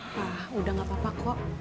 hah udah gak papa kok